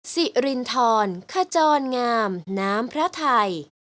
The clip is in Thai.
สิรินทรขจรงามน้ำพระไทย